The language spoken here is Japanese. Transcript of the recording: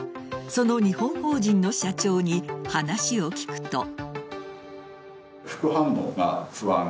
その日本法人の社長に話を聞くと。